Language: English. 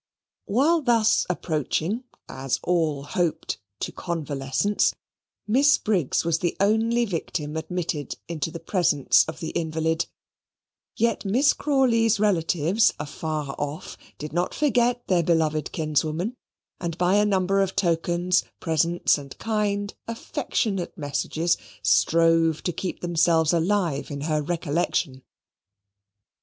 While thus approaching, as all hoped, to convalescence, Miss Briggs was the only victim admitted into the presence of the invalid; yet Miss Crawley's relatives afar off did not forget their beloved kinswoman, and by a number of tokens, presents, and kind affectionate messages, strove to keep themselves alive in her recollection.